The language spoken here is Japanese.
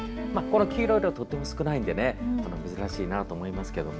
黄色はとても少ないので珍しいなと思います。